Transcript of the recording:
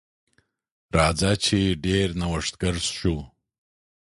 راځه چې ډیر نوښتګر شو.